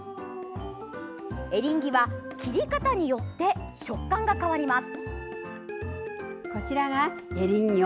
エリンギは切り方によって食感が変わります。